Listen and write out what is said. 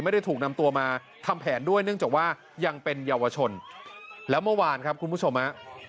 ไม่ได้ถูกนำตัวมาทำแผนด้วยเนื่องจากว่ายังเป็นเยาวชนแล้วเมื่อวานครับคุณผู้ชมฮะ